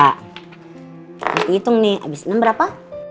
kita hitung nih abis enam berapa